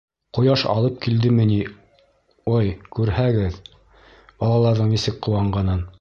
Ҡояш алып килдеме ни, ой, күрһәгеҙ, балаларҙың нисек ҡыуанғанын!